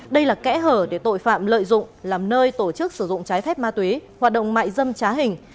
đây là kẽ hở để tội phạm lợi dụng làm nơi tổ chức sử dụng trái phép ma túy hoạt động mại dâm trá hình